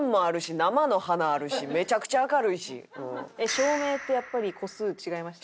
照明ってやっぱり個数違いました？